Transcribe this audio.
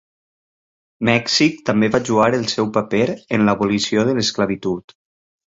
Mèxic també va jugar el seu paper en l'abolició de l'esclavitud.